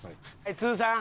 通算？